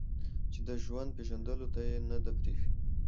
چې د ژوند پېژندلو ته يې نه ده پرېښې